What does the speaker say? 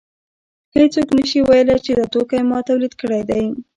هېڅوک نشي ویلی چې دا توکی ما تولید کړی دی